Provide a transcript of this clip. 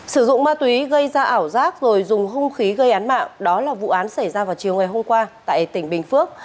sử dụng ma túy gây ra ảo giác rồi dùng hung khí gây án mạng đó là vụ án xảy ra vào chiều ngày hôm qua tại tỉnh bình phước